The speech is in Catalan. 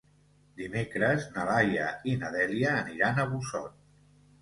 Dimecres na Laia i na Dèlia aniran a Busot.